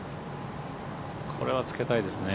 これはつけたいですね。